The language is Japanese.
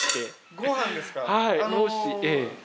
ご飯ですかあの。